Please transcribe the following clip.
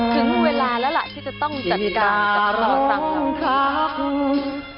ถึงเวลาแล้วแหละที่จะต้องจัดการกับต่อสร้างข้าว